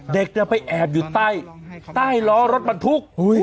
เด็กไปแอบอยู่ใต้ล้อรถบรรทุก